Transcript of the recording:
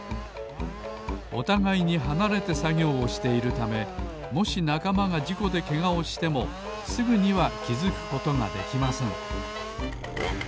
おたがいにはなれてさぎょうをしているためもしなかまがじこでけがをしてもすぐにはきづくことができません。